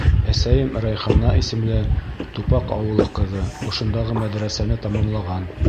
Әсәйем — Рәйхана исемле, Тупаҡ ауылы ҡыҙы, ошондағы мәҙрәсәне тамамлаған.